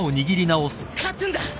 勝つんだ！